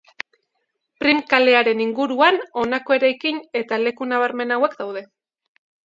Prim kalearen inguruan honako eraikin eta leku nabarmen hauek daude.